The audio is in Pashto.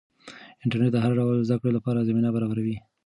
انټرنیټ د هر ډول زده کړې لپاره زمینه برابروي.